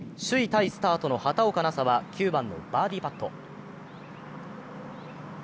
タイスタートの畑岡奈紗は９番のバーディーパット。